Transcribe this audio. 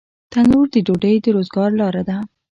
تنور د ډوډۍ د روزګار لاره ده